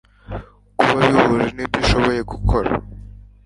kuba bihuje n ibyo ushoboye gukora